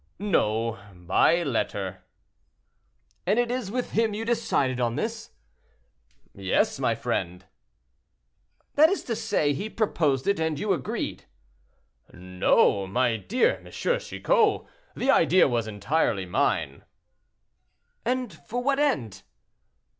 "No, by letter." "And it is with him you decided on this?" "Yes, my friend." "That is to say, he proposed it and you agreed." "No, my dear M. Chicot; the idea was entirely mine." "And for what end?"